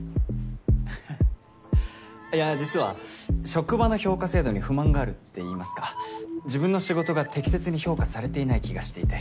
ははっいや実は職場の評価制度に不満があるっていいますか自分の仕事が適切に評価されていない気がしていて。